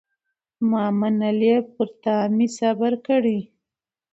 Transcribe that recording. ما منلی یې پر تا مي صبر کړی